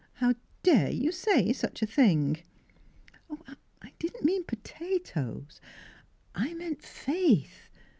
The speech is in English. How dare you say such a thing? "" I didn't mean potatoes — I meant faith.